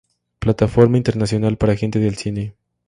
Plataforma internacional para gente del cine.